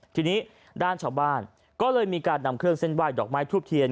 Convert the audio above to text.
ทีนี้ด้านชาวบ้านก็เลยมีการนำเครื่องเส้นไหว้ดอกไม้ทูบเทียน